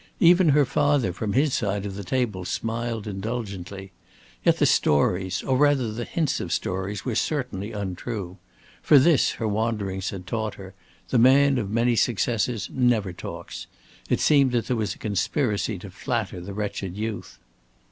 Even her father from his side of the table smiled indulgently. Yet the stories, or rather the hints of stories, were certainly untrue. For this her wanderings had taught her the man of many successes never talks. It seemed that there was a conspiracy to flatter the wretched youth.